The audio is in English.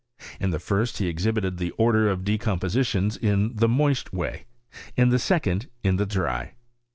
In the first, he exhibited the order of decompositions in the moist way, in the second in the dry.